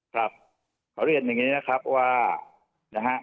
ครับขอเรียนอย่างนี้นะครับว่านะฮะ